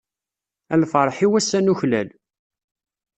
A lferḥ-iw ass-a nuklal.